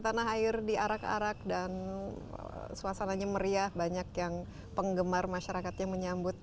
tanah air diarak arak dan suasananya meriah banyak yang penggemar masyarakatnya menyambut